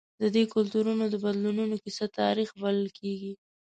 د دې کلتورونو د بدلونونو کیسه تاریخ بلل کېږي.